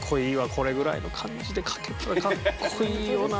これぐらいの感じで描けたらかっこいいよなあ。